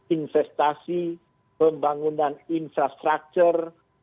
investasi pembangunan infrastruktur